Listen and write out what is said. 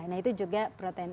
nah itu juga protein